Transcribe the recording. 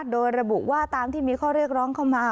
โดยระบุว่าตามที่มีข้อเรียกร้องเข้ามา